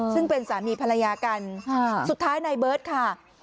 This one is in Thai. ซึ่งเป็นสามีภรรยากันสุดท้ายนายเบิร์ตค่ะ